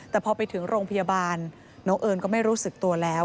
แต่พอไปถึงโรงพยาบาลน้องเอิญก็ไม่รู้สึกตัวแล้ว